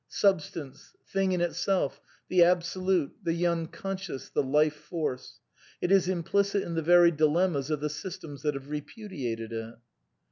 Substance, Thing in Itself, the Absolute, the Unconscious, the Life Force. It is implicit in the very dilemmas of the systems that have repudiated it.